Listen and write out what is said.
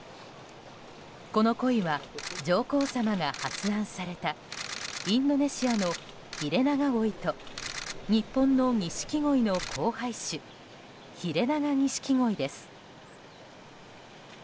このコイは、上皇さまが発案されたインドネシアのヒレナガゴイと日本のニシキゴイの交配種ヒレナガニシキゴイです。